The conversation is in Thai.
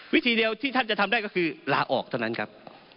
วิธีเดียวที่ท่านจะทำได้ก็คือลาออกเท่านั้นครับ